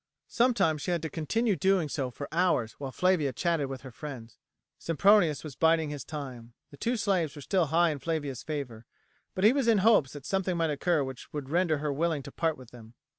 Sometimes she had to continue doing so for hours, while Flavia chatted with her friends. Sempronius was biding his time. The two slaves were still high in Flavia's favour, but he was in hopes that something might occur which would render her willing to part with them.